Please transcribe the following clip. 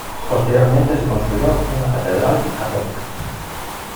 Posteriormente se construyó una catedral católica.